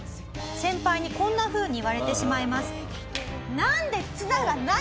先輩にこんなふうに言われてしまいます。